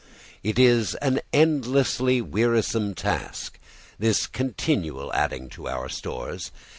It is an endlessly wearisome task, this continual adding to our stores.